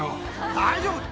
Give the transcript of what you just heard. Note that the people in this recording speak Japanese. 大丈夫！